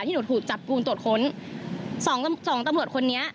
หนูถูกจับกลุ่มตรวจค้นสองสองตำรวจคนนี้